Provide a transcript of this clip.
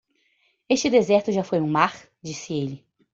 "Este deserto já foi um mar?", disse ele.